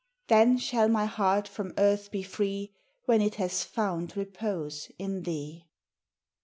Then shall my heart from earth be free, When it has found repose in thee.